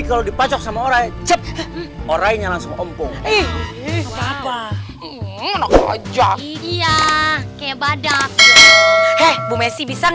kalau bukan karena sekar jatuh di sana